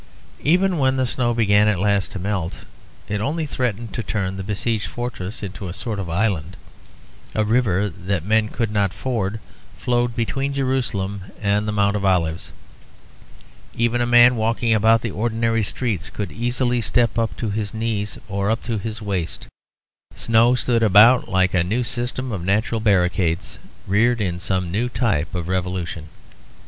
Even when the snow began at last to melt it only threatened to turn the besieged fortress into a sort of island. A river that men could not ford flowed between Jerusalem and the Mount of Olives. Even a man walking about the ordinary streets could easily step up to his knees or up to his waist. Snow stood about like a new system of natural barricades reared in some new type of revolution.